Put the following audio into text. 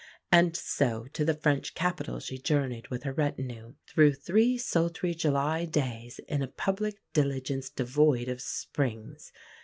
And so to the French capital she journeyed with her retinue, through three sultry July days, in a public diligence devoid of springs.